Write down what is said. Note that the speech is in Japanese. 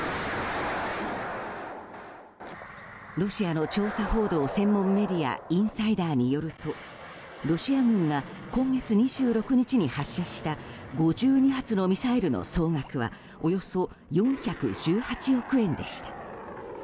ロシアの調査報道専門メディアインサイダーによるとロシア軍が今月２６日に発射した５２発のミサイルの総額はおよそ４１８億円でした。